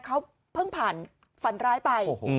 เขาเพิ่งผ่านฝันร้ายไป